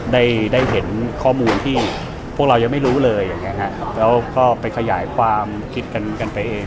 ได้เห็นข้อมูลที่พวกเรายังไม่รู้เลยแล้วก็ไปขยายความคิดกันไปเอง